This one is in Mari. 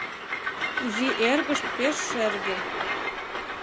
Изи эргышт пеш шерге.